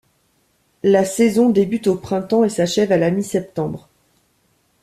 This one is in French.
La saison débute au printemps et s'achève à la mi-septembre.